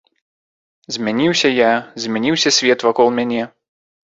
Змяніўся я, змяніўся свет вакол мяне.